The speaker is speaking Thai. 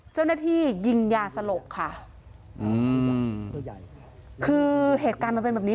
เจ้าหน้าที่ยิงยาสลบค่ะอืมตัวใหญ่คือเหตุการณ์มันเป็นแบบนี้